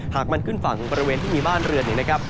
หากมันขึ้นฝั่งบริเวณที่มีบ้านเรือนเนี่ยนะครับ